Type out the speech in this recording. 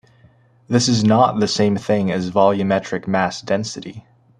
This is not the same thing as volumetric mass density.